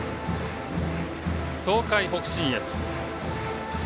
東海・北信越。